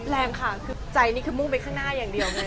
แรงค่ะคือใจนี่คือมุ่งไปข้างหน้าอย่างเดียวเลย